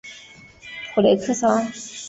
普雷克桑。